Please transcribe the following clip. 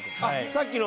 さっきの。